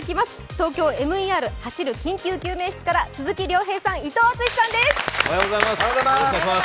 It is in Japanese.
「ＴＯＫＹＯＭＥＲ走る緊急救命室」から鈴木亮平さん、伊藤淳史さんです。